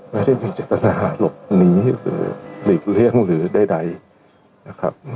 ไม่ได้มีเจตนาหลบหนีหรือหลีกเลี่ยงหรือใดนะครับ